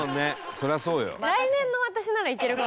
そりゃそうよ。